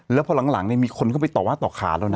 แล้วพอหลังเนี่ยมีคนก็ไปต่อวาต่อขาแล้วนะ